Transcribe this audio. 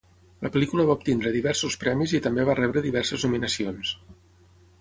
La pel·lícula va obtenir diversos premis i també va rebre diverses nominacions.